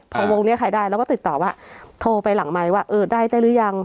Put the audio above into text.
พอวงนี้ใครได้แล้วก็ติดต่อว่าโทรไปหลังไมค์ว่าเออได้ได้หรือยัง